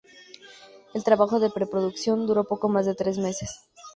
El trabajo de preproducción duró poco más de tres meses.